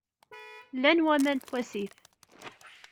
Llan waman n wasif.